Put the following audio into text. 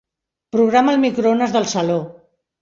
Programa el microones del saló.